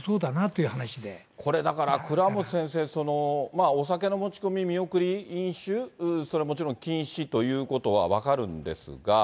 これだから、倉持先生、お酒の持ち込み見送り、飲酒、それはもちろん禁止ということは分かるんですが。